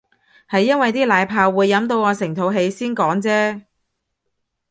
係因為啲奶泡會飲到我成肚氣先講啫